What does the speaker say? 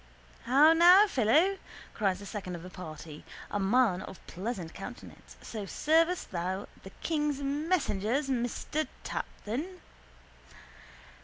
—How now, fellow? cried the second of the party, a man of pleasant countenance, So servest thou the king's messengers, master Taptun?